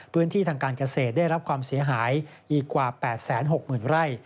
พื้นที่ทางการเกษตรได้รับความเสียหายอีกกว่า๘๖๐๐๐ไร่